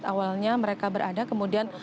awalnya mereka berada kemudian